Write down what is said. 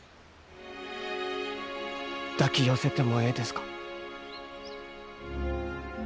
抱き寄せてもええですか？